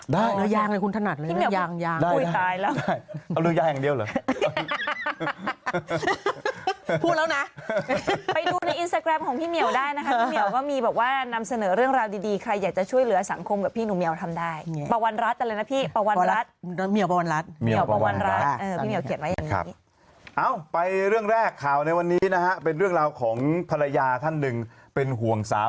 ได้นะยางเลยคุณถนัดเลยเรื่องยาง